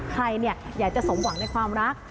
ใครอยากจะสมหวังในความรัก